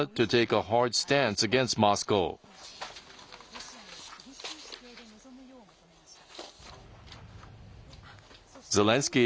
ロシアに厳しい姿勢で臨むよう求めました。